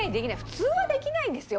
普通はできないんですよ